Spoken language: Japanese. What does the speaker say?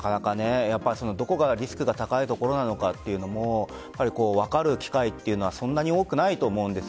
どこがリスクが高いところなのかというのを分かる機会というのはそんなに多くないと思うんです。